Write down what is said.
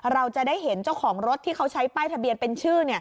เราจะได้เห็นเจ้าของรถที่เขาใช้ป้ายทะเบียนเป็นชื่อ